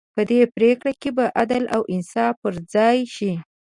په دې پرېکړې کې به عدل او انصاف پر ځای شي.